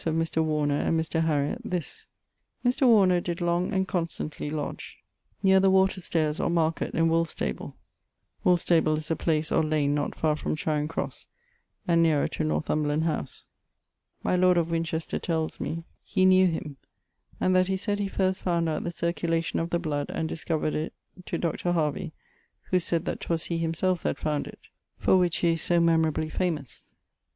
of Mr. Warner and Mr. Harriott, this: Mr. Warner did long and constantly lodg nere the water stares or market in Woolstable (Woolstable is a place or lane not far from Charing Crosse, and nerer to Northumberland howse). My lord of Winchester tells me he knew him, and that he saide he first fownd out the cerculation of the blood, and discover'd it Doʳ Haruie (who said that 'twas he (himselfe) that found it), for which he is so memorably famose.